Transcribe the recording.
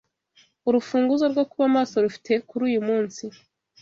Urufunguzo rwo kuba maso rufite kuri uyumunsi